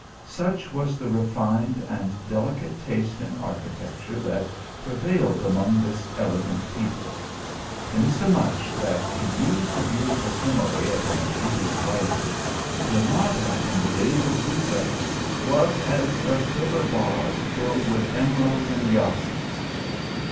Such was the refined and delicate taste in architecture that prevailed among this elegant people ; insomuch, that to use the beautiful simile of an Arabian writer, " Gra nada, in the days of Jusef, was as a silver vase filled with emeralds and jacinths."